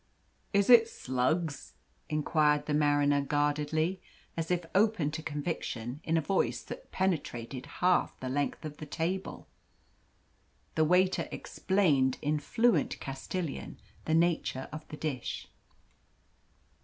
"Is it slugs?" inquired the mariner guardedly as if open to conviction in a voice that penetrated half the length of the table. The waiter explained in fluent Castilian the nature of the dish.